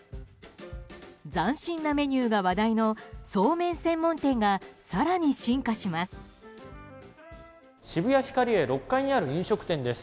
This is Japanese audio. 斬新なメニューが話題のそうめん専門店が更に進化します。